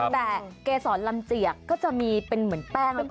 แต่เกษรลำเจียกก็จะมีเป็นเหมือนแป้งแล้วก็